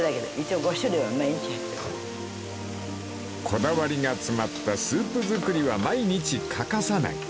［こだわりが詰まったスープ作りは毎日欠かさない］